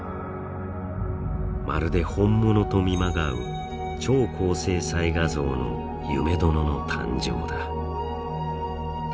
まるで本物と見まがう超高精細画像の「夢殿」の誕生だ。